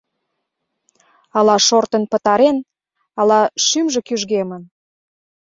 Ала шортын пытарен, ала шӱмжӧ кӱжгемын?